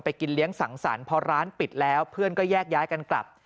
กินเลี้ยงสังสรรค์พอร้านปิดแล้วเพื่อนก็แยกย้ายกันกลับ